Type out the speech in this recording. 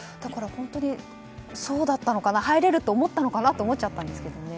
本当に入れると思ったのかなと思ったのかなと思っちゃったんですけどね。